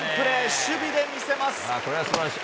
守備で見せます！